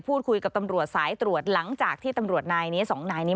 พูดคุยกับตำรวจสายตรวจหลังจากที่ตำรวจนายนี้